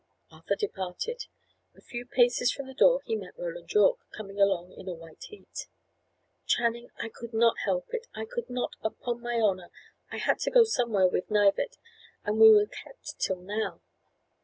Arthur departed. A few paces from the door he met Roland Yorke, coming along in a white heat. "Channing, I could not help it I could not, upon my honour. I had to go somewhere with Knivett, and we were kept till now.